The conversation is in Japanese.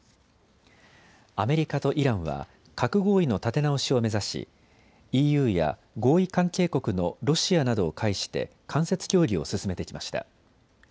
アメリカとイランは核合意の立て直しを目指しＥＵや合意関係国のロシアなどを介して間接協議を進めてきました。